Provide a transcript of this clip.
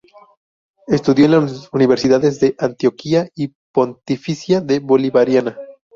Estudió en las universidades de Antioquia y Pontificia Bolivariana.